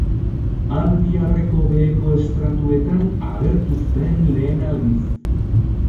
Albiarreko beheko estratuetan agertu zen lehen aldiz.